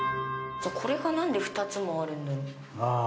これが何で２つもあるんだろう？